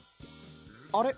あれ？